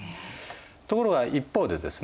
ところが一方でですね